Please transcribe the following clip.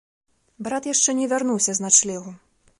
Брат яшчэ не вярнуўся з начлегу.